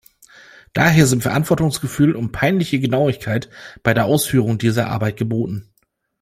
Daher sind Verantwortungsgefühl und peinliche Genauigkeit bei der Ausführung dieser Arbeit geboten.